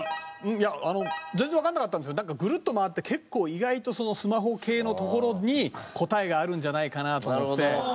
いやあの全然わかんなかったんですけどグルッと回って結構意外とスマホ系のところに答えがあるんじゃないかなと思って。